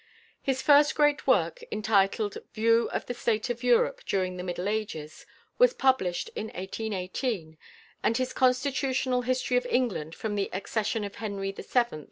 His first great work, entitled "View of the State of Europe during the Middle Ages," was published in 1818, and his "Constitutional History of England, from the Accession of Henry VII.